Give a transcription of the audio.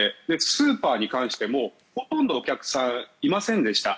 スーパーに関してもほとんどお客さんがいませんでした。